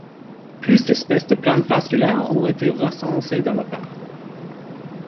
Plus de espèces de plantes vasculaires ont été recensées dans le parc.